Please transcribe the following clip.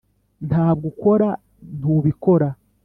ntabwo ukora, ntubikora